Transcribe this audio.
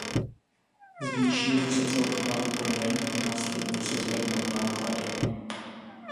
Zvýší-li se celková úroveň, následně se zvednou náklady.